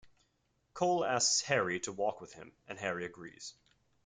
Cole asks Harry to walk with him and Harry agrees.